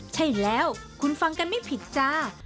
ใช่แล้วคุณฟังกันไม่ผิดจ้า